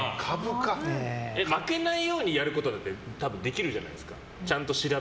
負けないようにやること多分できるじゃないですか。